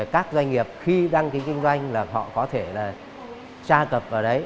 các doanh nghiệp khi đăng ký kinh doanh là họ có thể là tra cập vào đấy